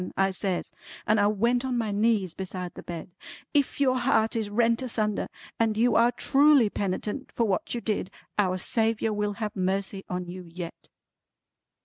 I says, and I went on my knees beside the bed; "if your heart is rent asunder and you are truly penitent for what you did, Our Saviour will have mercy on you yet!"